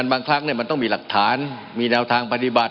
บางครั้งมันต้องมีหลักฐานมีแนวทางปฏิบัติ